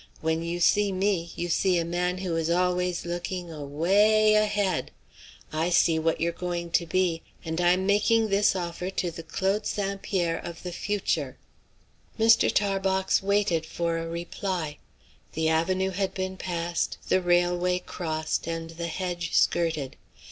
When you see me you see a man who is always looking awa a ay ahead. I see what you're going to be, and I'm making this offer to the Claude St. Pierre of the future." Mr. Tarbox waited for a reply. The avenue had been passed, the railway crossed, and the hedge skirted.